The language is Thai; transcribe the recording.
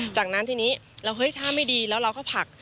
จากนั้นทีนี้เราเฮ้ยถ้าไม่ดีแล้วเราก็ผัก